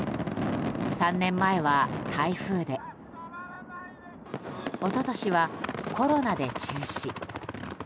３年前は台風で一昨年はコロナで中止。